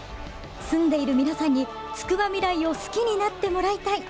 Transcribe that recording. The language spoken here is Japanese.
住んでいる皆さんにつくばみらいを好きになってもらいたい。